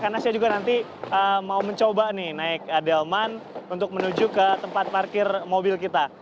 karena saya juga nanti mau mencoba nih naik delman untuk menuju ke tempat parkir mobil kita